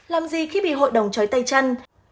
làm gì khi bị hội đồng chói tay chân